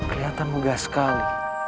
kelihatan mudah sekali